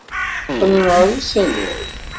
Qqlent ɣer usalay.